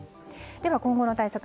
では今後の対策